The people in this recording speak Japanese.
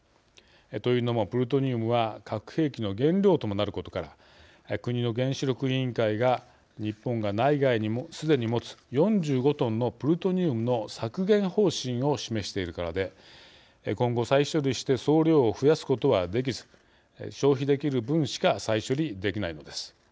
というのも、プルトニウムは核兵器の原料ともなることから国の原子力委員会が日本が、内外にすでに持つ４５トンのプルトニウムの削減方針を示しているからで今後、再処理して総量を増やすことはできず消費できる分しか再処理できないのです。